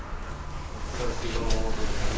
さすが桃園さん